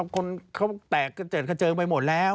คนเขาแตกเจิดขเจิงไปหมดแล้ว